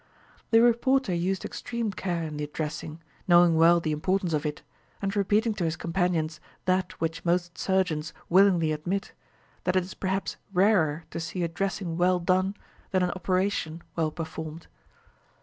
The reporter used extreme care in the dressing, knowing well the importance of it, and repeating to his companions that which most surgeons willingly admit, that it is perhaps rarer to see a dressing well done than an operation well performed.